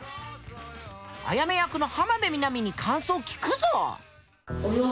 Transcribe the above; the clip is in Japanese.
あやめ役の浜辺美波に感想聞くぞ。